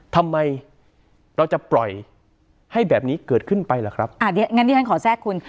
ทำไมเราจะปล่อยให้แบบนี้เกิดขึ้นไปล่ะครับอ่าเดี๋ยวงั้นที่ฉันขอแทรกคุณ